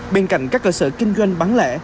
bên cạnh các cơ sở kinh doanh bán lễ